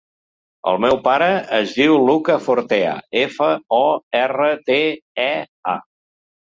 El meu pare es diu Luka Fortea: efa, o, erra, te, e, a.